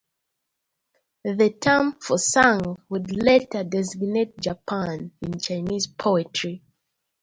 The term Fusang would later designate 'Japan' in Chinese poetry.